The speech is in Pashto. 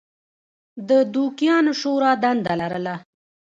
د دوکیانو شورا دنده لرله.